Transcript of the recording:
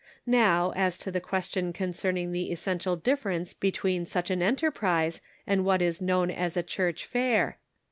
Now, as to the question concern ing the essential difference between such an enterprise and what is known as a church fair.